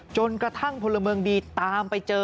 จนกระทั่งพลเมืองดีตามไปเจอ